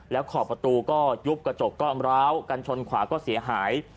แล้วขอบประตูก็ยุบกระจกก็ร้าวกันชนขวาก็เสียหาย